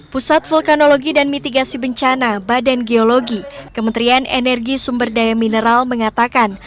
pusat vulkanologi dan mitigasi bencana badan geologi kementerian energi sumber daya mineral mengatakan